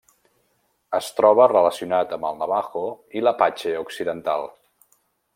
Es troba relacionat amb el navaho i l'apatxe occidental.